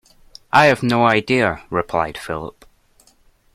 I have no idea, replied Philip.